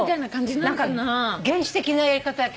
何か原始的なやり方だけど。